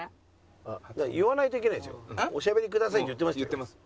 おしゃべりくださいって言ってました。